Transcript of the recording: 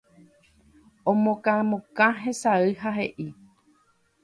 Omokãmokã hesay ha he'i